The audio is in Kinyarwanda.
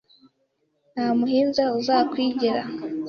Nta muhinza uzakwigera